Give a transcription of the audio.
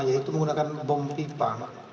yaitu menggunakan bom pipa